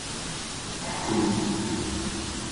Ḥku-d!